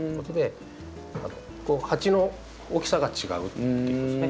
鉢の大きさが違うっていうことですね。